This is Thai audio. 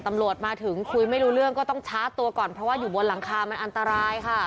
ตำรวจมาถึงคุยไม่รู้เรื่องก็ต้องชาร์จตัวก่อนเพราะว่าอยู่บนหลังคามันอันตรายค่ะ